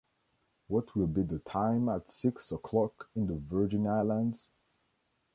What will be the time at six o’clock in the Virgin Islands?